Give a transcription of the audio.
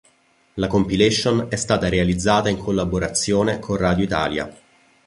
La compilation è stata realizzata in collaborazione con Radio Italia.